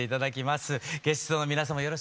ゲストの皆様よろしくお願いします。